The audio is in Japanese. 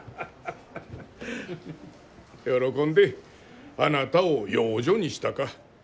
喜んであなたを養女にしたか。